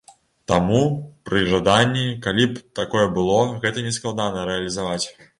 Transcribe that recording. Таму пры жаданні, калі б такое было, гэта не складана рэалізаваць.